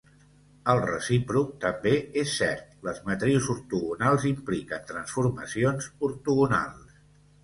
El recíproc també és cert: les matrius ortogonals impliquen transformacions ortogonals.